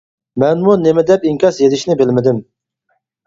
مەنمۇ نېمە دەپ ئىنكاس يېزىشنى بىلمىدىم.